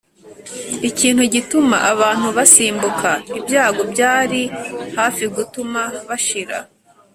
ikintu gituma abantu basimbuka ibyago byari hafi gutuma bashira.